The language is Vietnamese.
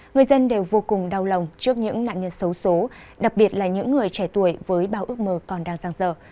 người dân đều vô cùng đau lòng trước những nạn nhân xấu xố đặc biệt là những người trẻ tuổi với bao ước mơ còn đang giang dở